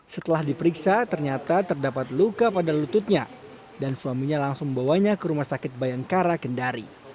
setelah diperiksa ternyata terdapat luka pada lututnya dan suaminya langsung membawanya ke rumah sakit bayangkara kendari